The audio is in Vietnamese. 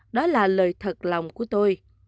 đó là lời thật lòng của tôi